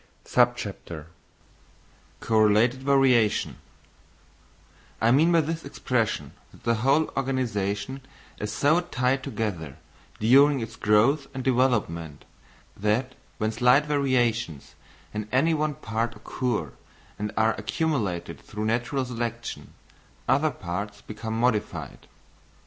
Correlated Variation I mean by this expression that the whole organisation is so tied together, during its growth and development, that when slight variations in any one part occur and are accumulated through natural selection, other parts become modified.